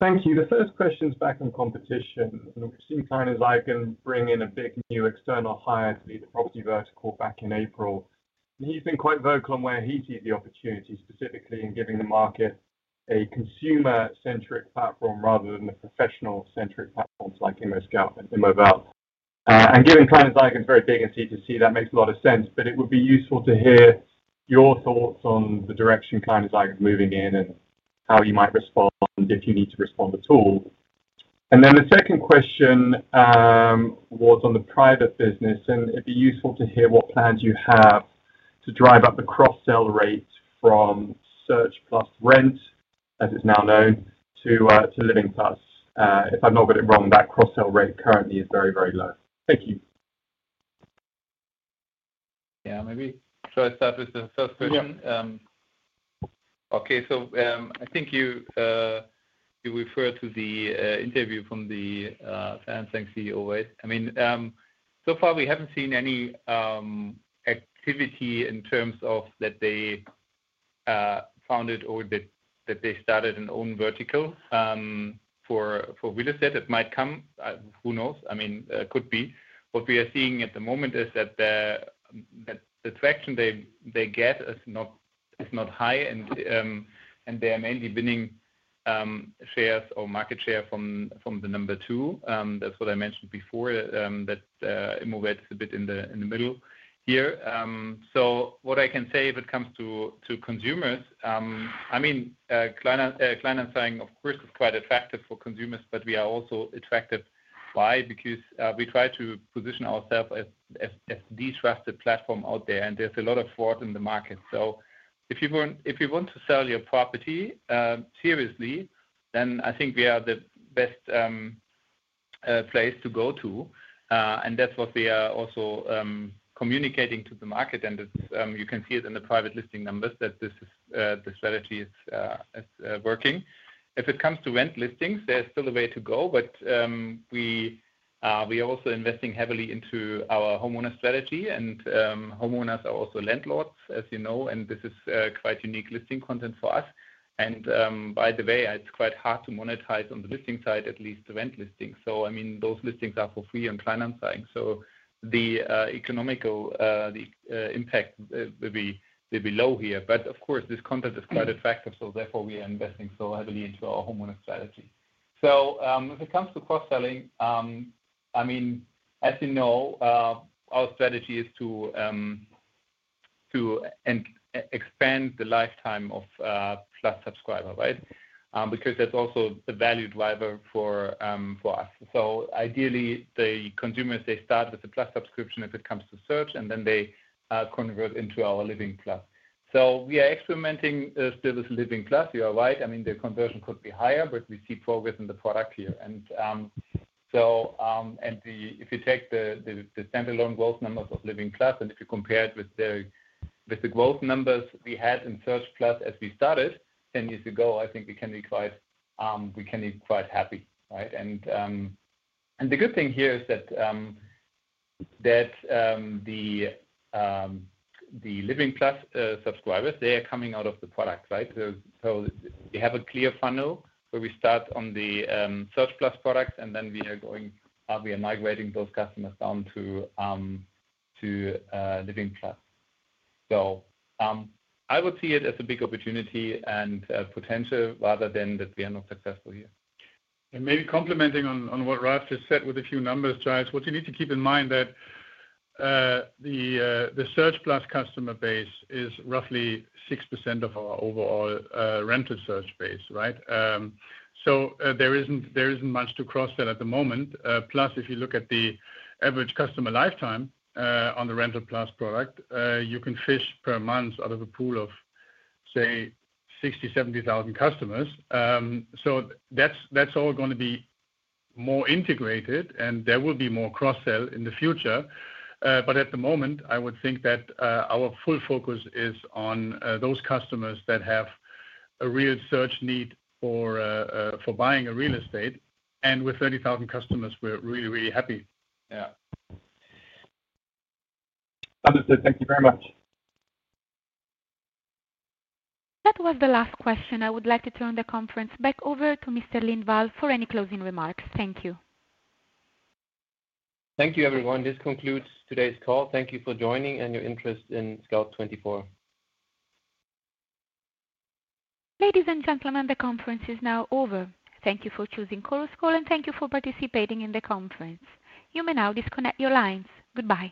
Thank you. The first question is back on competition. Christine's finding is I can bring in a big new external hire to lead the property vertical back in April. He's been quite vocal on where he sees the opportunity, specifically in giving the market a consumer-centric platform rather than the professional-centric platforms like ImmoScout24 and ImmoWelt. Given Kleinanzeigen's very big and C2C, that makes a lot of sense. It would be useful to hear your thoughts on the direction Kleinanzeigen's moving in and how you might respond if you need to respond at all. The second question was on the private business. It'd be useful to hear what plans you have to drive up the cross-sell rate from Search Plus Rent, as it's now known, to Living Plus. If I'm not a bit wrong, that cross-sell rate currently is very, very low. Thank you. Maybe first up is the first question. I think you referred to the interview from the Kleinanzeigen CEO, right? So far we haven't seen any activity in terms of that they founded or that they started an own vertical for real estate. It might come, who knows? It could be. What we are seeing at the moment is that the traction they get is not high and they're mainly winning shares or market share from the number two. That's what I mentioned before, that ImmoWelt is a bit in the middle here. What I can say if it comes to consumers, Kleinanzeigen's offering of course is quite attractive for consumers, but we are also attractive. Why? Because we try to position ourselves as the trusted platform out there, and there's a lot of fraud in the market. If you want to sell your property seriously, then I think we are the best place to go to. That's what we are also communicating to the market. You can see it in the private listing numbers that this strategy is working. If it comes to rent listings, there's still a way to go, but we are also investing heavily into our homeowner strategy. Homeowners are also landlords, as you know, and this is quite unique listing content for us. By the way, it's quite hard to monetize on the listing side, at least the rent listings. Those listings are for free on Kleinanzeigen's side, so the economic impact will be low here. Of course, this content is quite attractive, so therefore we are investing so heavily into our homeowner strategy. If it comes to cross-selling, as you know, our strategy is to expand the lifetime of Plus subscriber, right? That's also a value driver for us. Ideally, the consumers start with the Plus subscription if it comes to Search, and then they convert into our Living Plus. We are experimenting still with Living Plus, you are right. I mean, the conversion could be higher, but we see progress in the product here. If you take the standalone growth numbers of Living Plus, and if you compare it with the growth numbers we had in Search Plus as we started 10 years ago, I think we can be quite happy, right? The good thing here is that the Living Plus subscribers are coming out of the product, right? We have a clear funnel where we start on the Search Plus product, and then we are going, we are migrating those customers down to Living Plus. I would see it as a big opportunity and potential rather than that we are not successful here. Maybe complementing on what Ralph just said with a few numbers, what you need to keep in mind is that the Search Plus customer base is roughly 6% of our overall rental search base, right? There isn't much to cross-sell at the moment. If you look at the average customer lifetime on the Rental Plus product, you can fish per month out of a pool of, say, 60,000 or 70,000 customers. That's all going to be more integrated, and there will be more cross-sell in the future. At the moment, I would think that our full focus is on those customers that have a real search need for buying real estate. With 30,000 customers, we're really, really happy. Thank you very much. That was the last question. I would like to turn the conference back over to Mr. Lindvall for any closing remarks. Thank you. Thank you, everyone. This concludes today's call. Thank you for joining and your interest in Scout24. Ladies and gentlemen, the conference is now over. Thank you for choosing Chorus cal and thank you for participating in the conference. You may now disconnect your lines. Goodbye.